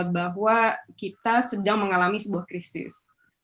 bahwa kita sedang mengalami sebuah krisis